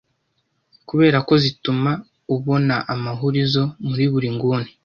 Kubera ko zituma ubonaamahurizo muri buri nguni